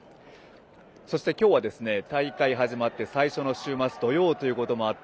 そして今日は大会始まって最初の週末土曜ということもあり